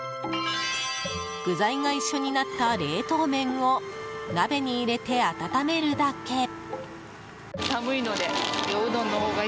具材が一緒になった冷凍麺を鍋に入れて温めるだけ。